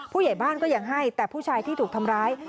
ผู้ใหญ่บ้านก็ยังให้แต่ผู้ชายที่ถูกทำร้าย